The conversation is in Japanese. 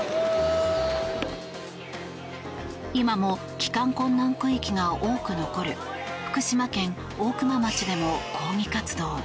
今も帰還困難区域が多く残る福島県大熊町でも抗議活動。